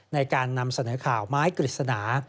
ในการนำเสนอข่าวไม้กฤษณา